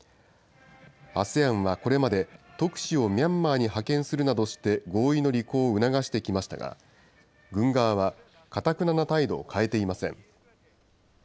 ＡＳＥＡＮはこれまで、特使をミャンマーに派遣するなどして、合意の履行を促してきましたが、軍側はかたくなな態度を変えていません。